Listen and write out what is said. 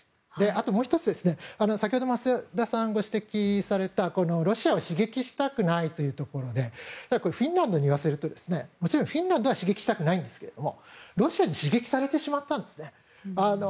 あともう１つ、先ほど増田さんがご指摘された、ロシアを刺激したくないというところでフィンランドに言わせるともちろんフィンランドは刺激したくないんですけどロシアに刺激されてしまったんですね。